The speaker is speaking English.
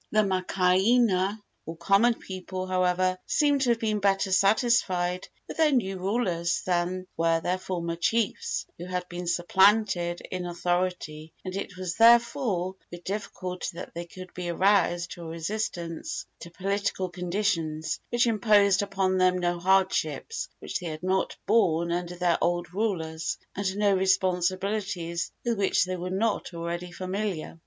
The makaainana, or common people, however, seem to have been better satisfied with their new rulers than were their former chiefs who had been supplanted in authority, and it was therefore with difficulty that they could be aroused to a resistance to political conditions which imposed upon them no hardships which they had not borne under their old rulers, and no responsibilities with which they were not already familiar.